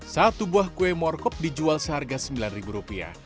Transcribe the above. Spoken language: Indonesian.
satu buah kue motok dijual seharga sembilan rupiah